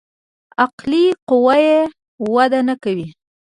عقلي قوه يې وده نکوي.